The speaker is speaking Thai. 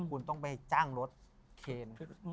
คุณต้องไปจ้างรถเคน